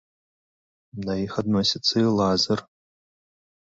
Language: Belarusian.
Да іх адносіцца і лазер.